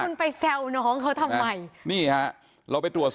คุณไปแซวหลของนเองทำไม